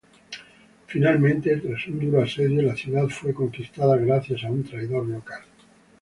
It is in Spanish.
Finalmente, tras un duro asedio, la ciudad fue conquistada gracias a un traidor local.